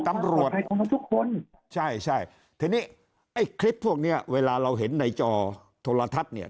ตำรวจใช่ทีนี้เขลลาเราเห็นในจอโทรทัศน์เนี่ย